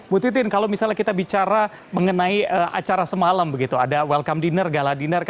butitin kalau misalnya kita bicara mengenai acara semalam ada welcome dinner gala dinner